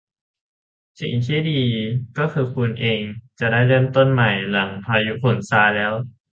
สิ่งที่ดีก็คือคุณเองจะได้เริ่มต้นใหม่หลังพายุฝนซาแล้ว